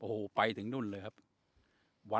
โอ้โหไปถึงนู่นเลยครับ